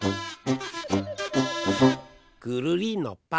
ぐるりんのぱ。